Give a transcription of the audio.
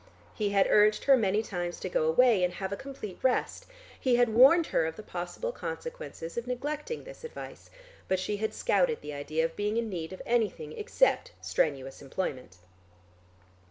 He had urged her many times to go away and have a complete rest; he had warned her of the possible consequences of neglecting this advice, but she had scouted the idea of being in need of anything except strenuous employment.